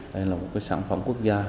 đây là một sản phẩm quốc gia